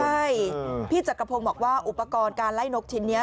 ใช่พี่จักรพงศ์บอกว่าอุปกรณ์การไล่นกชิ้นนี้